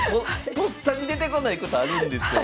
とっさに出てこないことあるんですよ。